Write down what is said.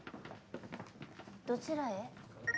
どちらへ？